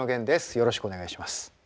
よろしくお願いします。